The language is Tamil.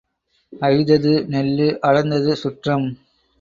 ஐதது நெல்லு அடர்ந்தது சுற்றம்.